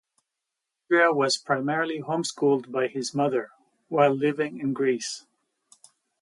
Andrea was primarily homeschooled by his mother, while living in Greece.